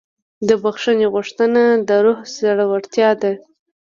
د بښنې غوښتنه د روح زړورتیا ده.